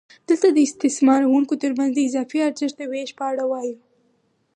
دلته د استثماروونکو ترمنځ د اضافي ارزښت د وېش په اړه وایو